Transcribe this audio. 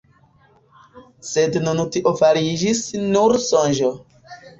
Sed nun tio fariĝis nur sonĝo.